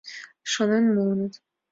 Шонен муыныт.